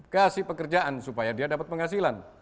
kasih pekerjaan supaya dia dapat penghasilan